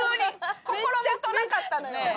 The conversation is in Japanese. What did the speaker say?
心もとなかったのよ。